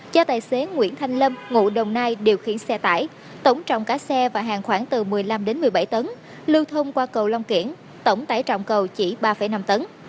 do tài xế nguyễn thanh lâm ngụ đồng nai điều khiển xe tải tổng trọng cả xe và hàng khoảng từ một mươi năm một mươi bảy tấn lưu thông qua cầu long kiển tổng tải trọng cầu chỉ ba năm tấn